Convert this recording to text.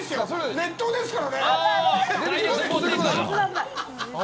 熱湯ですから！